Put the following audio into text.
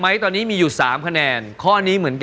ไมค์ตอนนี้มีอยู่๓คะแนน